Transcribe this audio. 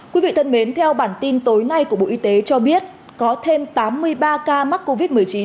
quý vị thân mến theo bản tin tối nay của bộ y tế cho biết có thêm tám mươi ba ca mắc covid một mươi chín